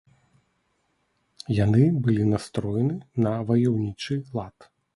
Яны былі настроены на ваяўнічы лад.